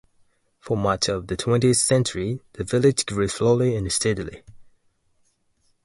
For much of the twentieth century, the village grew slowly and steadily.